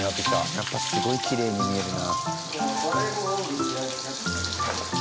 やっぱすごいきれいに見えるな。